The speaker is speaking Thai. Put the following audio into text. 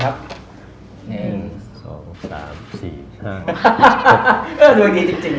ก็โดยดีจริง